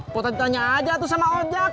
kok tadi tanya aja tuh sama ojak